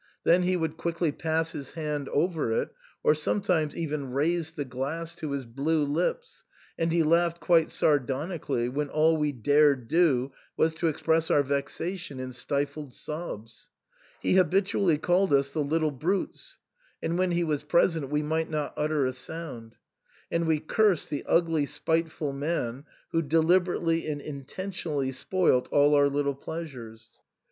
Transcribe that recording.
Then he would quickly pass his hand over it, or even sometimes raise the glass to his blue lips, and he laughed quite sardoni cally when all we dared do was to express our vexation in stifled sobs. He habitually called us the "little brutes ;*' and when he was present we might not utter a sound ; and we cursed the ugly spiteful man who deliberately and intentionally spoilt all our little pleas ures.